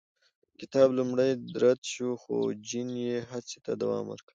کتاب لومړی رد شو، خو جین یې هڅې ته دوام ورکړ.